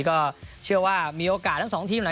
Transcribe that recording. ก็เชื่อว่ามีโอกาสทั้งสองทีม